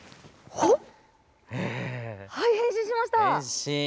はい、変身しました。